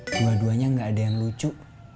dua duanya gak ada yang lucu